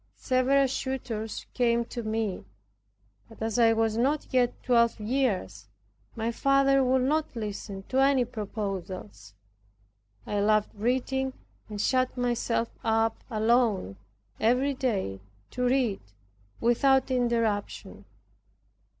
Several suitors came to me; but as I was not yet twelve years my father would not listen to any proposals. I loved reading and shut myself up alone every day to read without interruption.